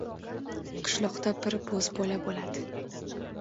Qishloqda bir bo‘zbola bo‘ladi.